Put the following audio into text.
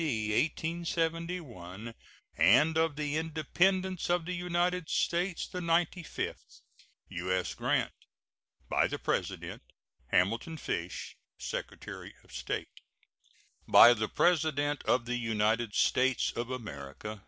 D. 1871, and of the Independence of the United States the ninety fifth. [SEAL.] U.S. GRANT. By the President: HAMILTON FISH, Secretary of State. BY THE PRESIDENT OF THE UNITED STATES OF AMERICA.